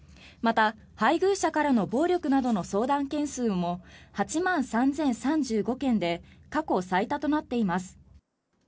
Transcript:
また配偶者からの暴力などの相談件数も８万３０３５件で過去最多となっています。